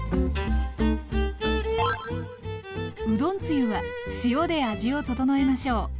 うどんつゆは塩で味を調えましょう。